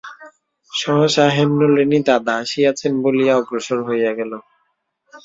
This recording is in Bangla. সহসা হেমনলিনী দাদা আসিয়াছেন বলিয়া অগ্রসর হইয়া গেল।